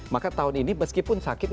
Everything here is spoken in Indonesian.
maka tahun ini meskipun sakit